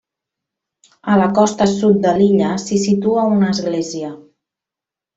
A la costa sud de l'illa s'hi situa una església.